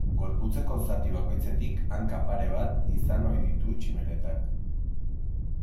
Gorputzeko zati bakoitzetik hanka pare bat izan ohi ditu tximeletak.